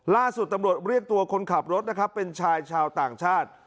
ล่าสุดตำรวจเรียกตัวคนขับรถนะครับเป็นชายชาวต่างชาติ